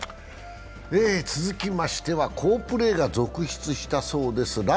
続きましては好プレーが続出したそうです。